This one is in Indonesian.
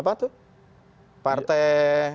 eh apa tuh partai